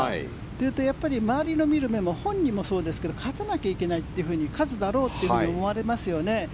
というと、周りの見る目も本人もそうですけど勝たなきゃいけないって勝つだろうって思われますよね。